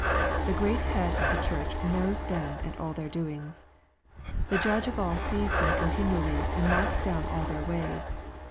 The great Head of the Church knows them and all their doings. The Judge of all sees them continually, and marks down all their ways.